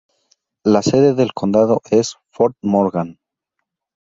La sede del condado es Fort Morgan.